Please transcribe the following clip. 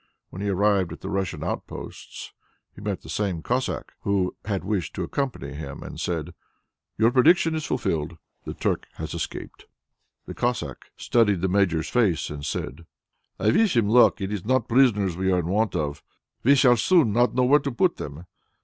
When he arrived at the Russian outposts, he met the same Cossack who had wished to accompany him and said, "Your prediction is fulfilled. The Turk has escaped." The Cossack studied the Major's face and said, "I wish him luck. It is not prisoners we are in want of. We shall soon not know where to put them."